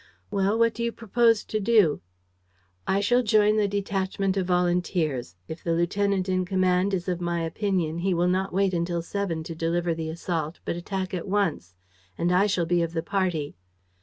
"Well, what do you propose to do?" "I shall join the detachment of volunteers. If the lieutenant in command is of my opinion, he will not wait until seven to deliver the assault, but attack at once. And I shall be of the party."